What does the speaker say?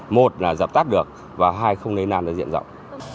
một là giập tắt được và hai là không lây nan diện rộng